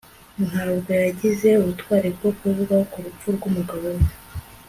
ntabwo yagize ubutwari bwo kuvuga ku rupfu rw'umugabo we